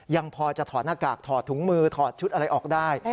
ยังพอจะถอดหน้ากากถอดถุงมือถอดชุดอะไรออกได้